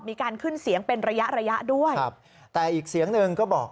มีการขึ้นเสียงเป็นระยะด้วยแต่อีกเสียงนึงก็บอก